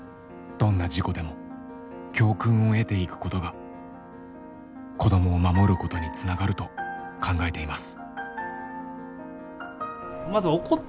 どんな事故でも教訓を得ていくことが子どもを守ることにつながると考えています。